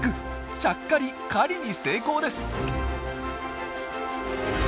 ちゃっかり狩りに成功です！